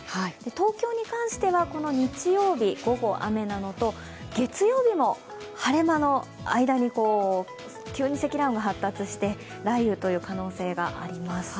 東京に関しては日曜日、午後雨なのと月曜日も、晴れ間の間に急に積乱雲が発達して、雷雨という可能性があります。